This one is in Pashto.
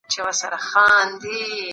په سختو حالاتو کي خپل عزت مه هېروه.